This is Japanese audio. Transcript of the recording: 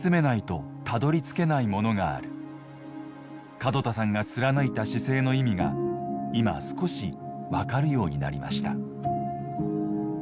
門田さんが貫いた姿勢の意味が今少し分かるようになりました。